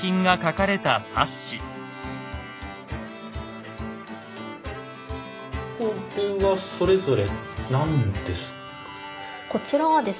これはそれぞれ何ですか？